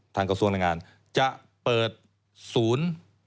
กระทรวงแรงงานจะเปิดศูนย์